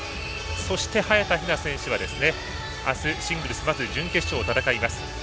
そして、早田ひな選手は明日、シングルスまず準決勝を戦います。